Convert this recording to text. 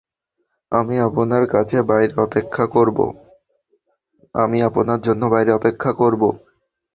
আমি আপনার জন্য বাইরে অপেক্ষা করব।